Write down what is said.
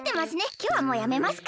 きょうはもうやめますか。